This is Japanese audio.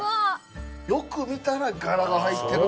よく見たら柄が入ってるってのが。